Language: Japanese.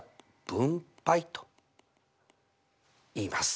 分配と言います。